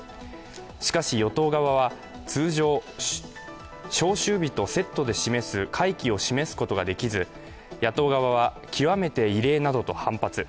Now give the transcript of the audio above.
しかし、与党側は通常、招集日とセットで示す会期を示すことができず野党側は極めて異例などと反発。